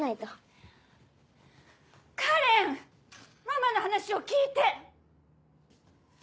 ママの話を聞いて！